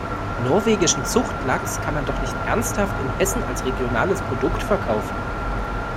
Norwegischen Zuchtlachs kann man doch nicht ernsthaft in Hessen als regionales Produkt verkaufen!